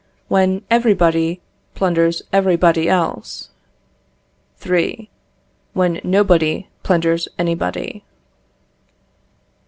When everybody plunders everybody else. 3. When nobody plunders anybody.